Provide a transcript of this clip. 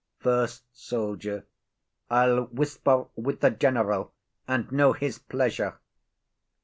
FIRST SOLDIER. I'll whisper with the general, and know his pleasure.